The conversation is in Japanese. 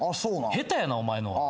下手やなお前の。